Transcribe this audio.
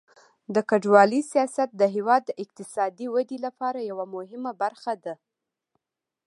د کډوالۍ سیاست د هیواد د اقتصادي ودې لپاره یوه مهمه برخه ده.